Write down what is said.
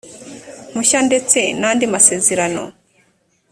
mpushya ndetse n andi masezerano